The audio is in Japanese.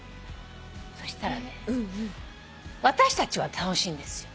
そしたらね私たちは楽しいんですよ。